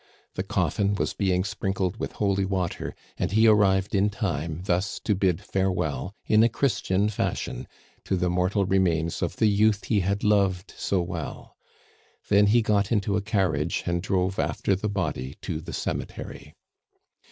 The coffin was being sprinkled with holy water, and he arrived in time thus to bid farewell, in a Christian fashion, to the mortal remains of the youth he had loved so well. Then he got into a carriage and drove after the body to the cemetery.